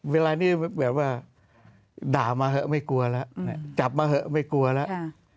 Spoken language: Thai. เวลานี้แบบว่าด่ามาเถอะไม่กลัวแล้วจับมาเถอะไม่กลัวแล้ว